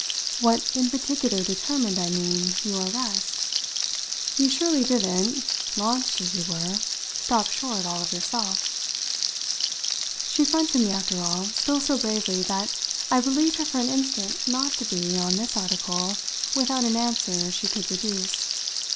"What in particular determined, I mean, your arrest? You surely didn't launched as you were stop short all of yourself." She fronted me, after all, still so bravely that I believed her for an instant not to be, on this article, without an answer she could produce.